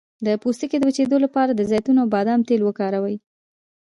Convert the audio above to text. د پوستکي د وچیدو لپاره د زیتون او بادام تېل وکاروئ